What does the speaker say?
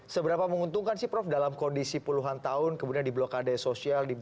seberapa menguntungkan sih prof dalam kondisi puluhan tahun kemudian di blokade sosial